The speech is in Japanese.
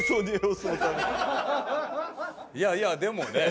いやいやでもね